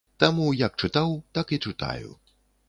Таму як чытаў, так і чытаю.